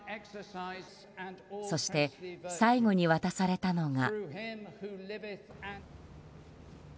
そして最後に渡されたのが。